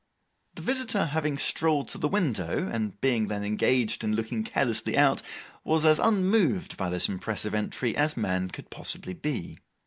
The visitor having strolled to the window, and being then engaged in looking carelessly out, was as unmoved by this impressive entry as man could possibly be.